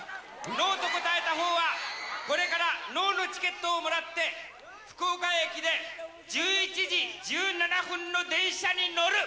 ノーと答えたほうは、これからノーのチケットをもらって、福岡駅で１１時１７分の電車に乗る。